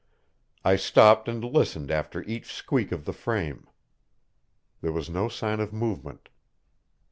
I stopped and listened after each squeak of the frame. There was no sign of movement.